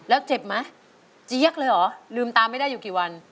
แล้วเจ็บไหม